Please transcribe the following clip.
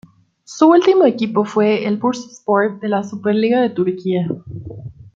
Su último equipo fue es el Bursaspor de la Superliga de Turquía.